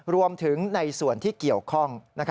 รวมถึงในส่วนที่เกี่ยวข้อง